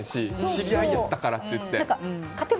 知り合いやったからっていって。